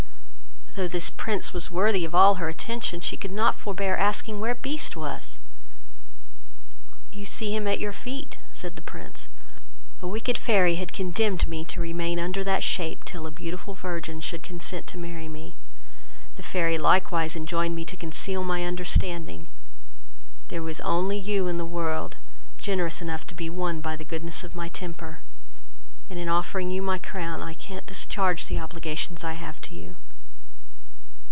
Though this Prince was worthy of all her attention, she could not forbear asking where Beast was. "You see him at your feet, (said the Prince): a wicked fairy had condemned me to remain under that shape till a beautiful virgin should consent to marry me: the fairy likewise enjoined me to conceal my understanding; there was only you in the world generous enough to be won by the goodness of my temper; and in offering you my crown, I can't discharge the obligations I have to you."